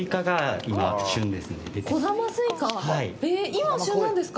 今、旬なんですか。